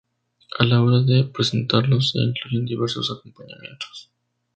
A la hora de presentarlo, se incluyen diversos acompañamientos.